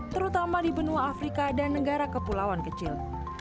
terutama di benua afrika dan negara kepulauan kecil